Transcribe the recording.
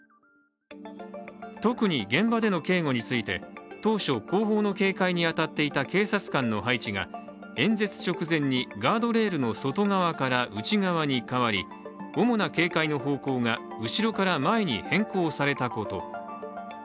特に、現場での警護について当初、後方の警戒に当たっていた警察官の配置が演説直前にガードレールの外側から内側に変わり、主な警戒の方向が後ろから前に変更されたこと。